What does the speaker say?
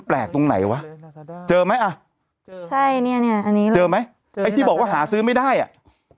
ตรงไหนวะเจอไหมอ่ะเจอใช่เนี่ยอันนี้เลยเจอไหมไอ้ที่บอกว่าหาซื้อไม่ได้อ่ะ